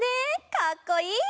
かっこいい！